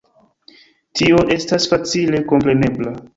Tio estas facile komprenebla.